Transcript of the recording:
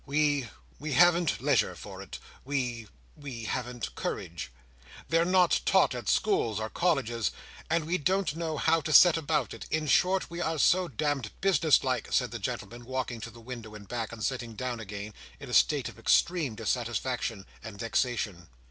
We—we haven't leisure for it. We—we haven't courage. They're not taught at schools or colleges, and we don't know how to set about it. In short, we are so d——d business like," said the gentleman, walking to the window, and back, and sitting down again, in a state of extreme dissatisfaction and vexation.